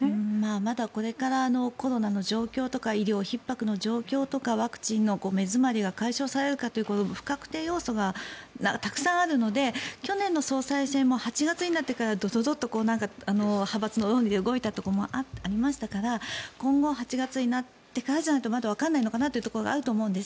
まだこれからコロナの状況とか医療ひっ迫の状況とかワクチンの目詰まりが解消されるかという不確定要素がたくさんあるので去年の総裁選も８月になってからドドッと派閥の論理で動いたところもありましたから今後８月になってからじゃないとわからないところがあると思うんです。